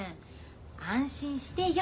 安心してよ。